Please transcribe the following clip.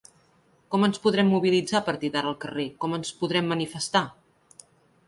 Com ens podrem mobilitzar a partir d’ara al carrer, com ens podrem manifestar?